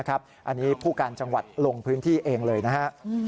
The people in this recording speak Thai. อันนี้ผู้การจังหวัดลงพื้นที่เองเลยนะครับ